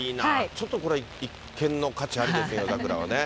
ちょっとこれ、一見の価値ありですよね、夜桜はね。